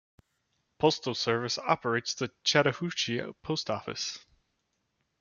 Postal Service operates the Chattahoochee Post Office.